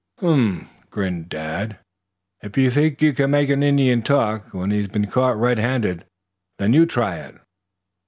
"Humph!" grinned Dad. "If you think you can make an Indian talk when he has been caught red handed, then you try it."